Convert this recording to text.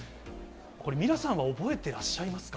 これ、ミラさんは覚えてらっしゃいますか。